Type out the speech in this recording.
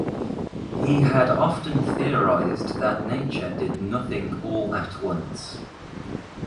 He had often theorized that nature did nothing all at once.